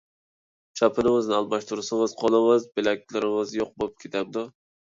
چاپىنىڭىزنى ئالماشتۇرسىڭىز، قولىڭىز، بىلەكلىرىڭىز يوق بولۇپ كېتەمدۇ؟